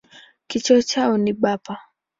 Kichwa chao ni bapa.